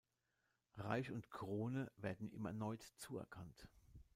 Reich und Krone werden ihm erneut zuerkannt.